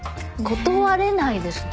断れないでしょ